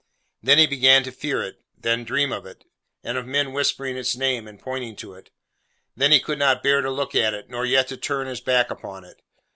Then he began to fear it, then to dream of it, and of men whispering its name and pointing to it. Then he could not bear to look at it, nor yet to turn his back upon it.